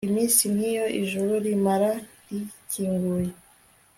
iminsi nk iyo ijuru rizamara rikinguye